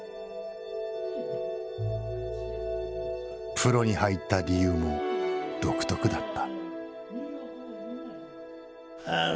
プロに入った理由も独特だった。